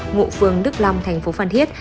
ngụ phương đức long thành phố phan thiết